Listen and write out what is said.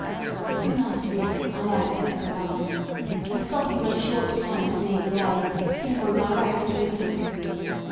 Soon after this I left Escribanos, and stopping but a short time at Navy Bay, came on direct to England.